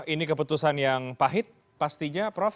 ini keputusan yang pahit pastinya prof